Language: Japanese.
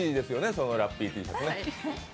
そのラッピーＴシャツね。